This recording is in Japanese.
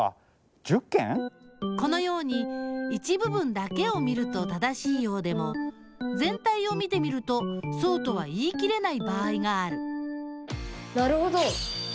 このように一部分だけを見ると正しいようでもぜん体を見てみるとそうとは言い切れない場合があるなるほど！